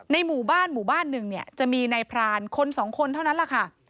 ในหมู่บ้านหนึ่งเนี่ยจะมีในภาณคนสองคนเท่านั้นแหละค่ะ